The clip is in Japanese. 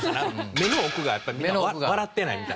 目の奥がやっぱりみんな笑ってないみたいな。